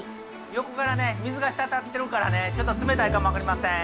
横からね水が滴っているからねちょっと冷たいかも分かりません。